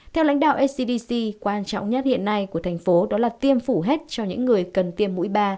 theo lãnh đạo scdc quan trọng nhất hiện nay của thành phố đó là tiêm phủ hết cho những người cần tiêm mũi ba